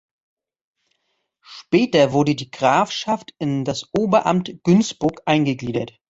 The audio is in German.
Später wurde die Grafschaft in das "Oberamt Günzburg" eingegliedert.